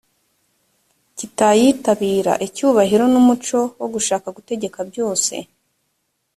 kitayitabira icyubahiro n umuco wo gushaka gutegeka byose